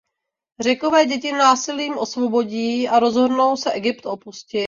Řekové děti násilím osvobodí a rozhodnou se Egypt opustit.